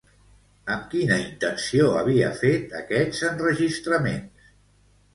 Amb quina intenció havia fet aquests enregistraments?